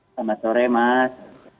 selamat sore mas